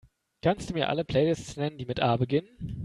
Kannst Du mir alle Playlists nennen, die mit A beginnen?